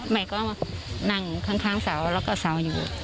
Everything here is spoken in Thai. แม่ก็มานั่งข้างเสาแล้วก็เสาอยู่